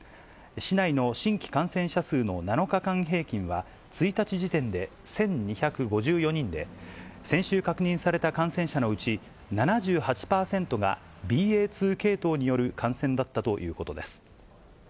市内の新規感染者数の７日間平均は、１日時点で１２５４人で、先週確認された感染者のうち、７８％が、ＢＡ．２系統による感染だったということです。